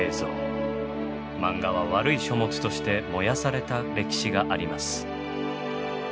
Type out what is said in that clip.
マンガは悪い書物として燃やされた歴史があります。